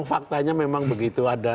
faktanya memang begitu